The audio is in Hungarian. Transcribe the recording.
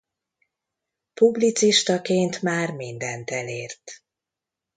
Publicistaként már mindent elért.